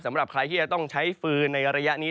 สำหรับใครที่จะต้องใช้ฟืนในระยะนี้